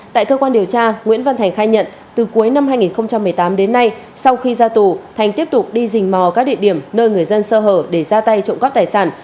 tại cơ quan điều tra nguyễn văn thành khai nhận từ cuối năm hai nghìn một mươi tám đến nay sau khi ra tù thành tiếp tục đi dình mò các địa điểm nơi người dân sơ hở để ra tay trộm cắp tài sản